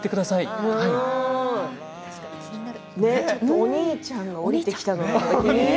お兄ちゃんが降りてきた。